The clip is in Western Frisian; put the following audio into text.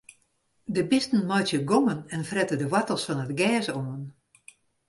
De bisten meitsje gongen en frette de woartels fan it gjers oan.